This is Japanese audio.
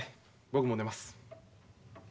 僕も寝ます。